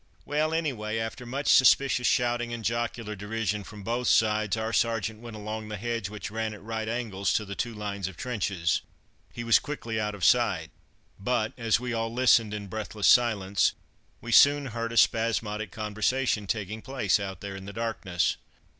Well, anyway, after much suspicious shouting and jocular derision from both sides, our sergeant went along the hedge which ran at right angles to the two lines of trenches. He was quickly out of sight; but, as we all listened in breathless silence, we soon heard a spasmodic conversation taking place out there in the darkness.